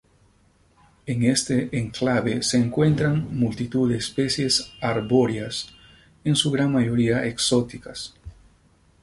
En este enclave se encuentran multitud de especies arbóreas, en su gran mayoría exóticas.